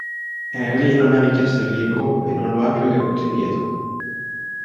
Harry non ha richiesto il libro e non lo ha più riavuto indietro.